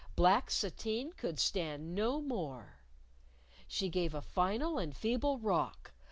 Black sateen could stand no more. She gave a final and feeble rock.